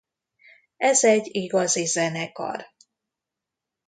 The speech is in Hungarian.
Ez egy igazi zenekar.